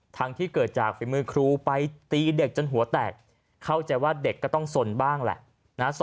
ทั้งที่เกิดจากฝีมือครูไปตีเด็กจนหัวแตกเข้าใจว่าเด็กก็ต้องสนบ้างแหละ